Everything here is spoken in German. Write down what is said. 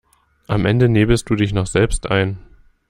Am Ende nebelst du dich noch selbst ein.